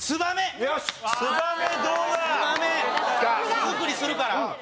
巣作りするから。